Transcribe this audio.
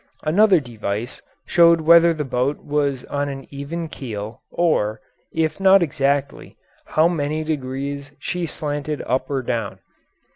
Another device showed whether the boat was on an even keel or, if not exactly, how many degrees she slanted up or down.